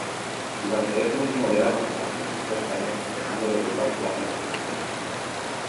Durante ese mismo verano se nacionalizó español dejando de ocupar plaza de extranjero.